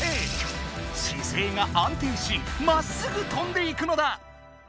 姿勢が安定しまっすぐ飛んでいくのだ！